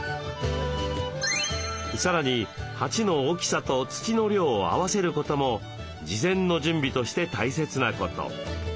さらに鉢の大きさと土の量を合わせることも事前の準備として大切なこと。